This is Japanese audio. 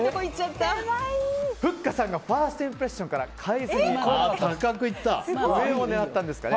ふっかさんがファーストインプレッションから変えずに上を狙ったんでしょうか。